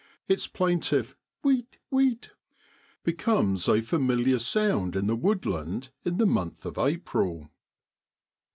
Its plaintive wheet iuheet ! becomes a familiar sound in the woodland in the month of April.